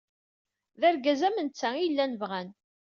D argaz am netta ay llan bɣan.